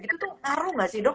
itu tuh ngaruh gak sih dok